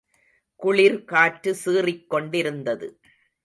குளிர்காற்று சீறிக் கொண்டிருந்தது.